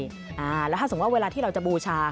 และถ้าสมมติว่าเวลาเรามันจะบูชา